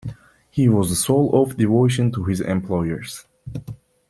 He was the soul of devotion to his employers.